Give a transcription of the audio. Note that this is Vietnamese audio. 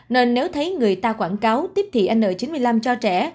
nên nếu thấy người ta quảng cáo tiếp thị n chín mươi năm cho trẻ